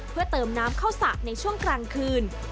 เพื่อเติมน้ำเข้าสระในช่วงกลางคืน